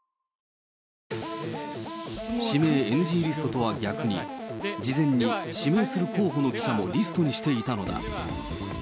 指名ＮＧリストとは逆に、事前に指名する候補の記者もリストにしていたのだ。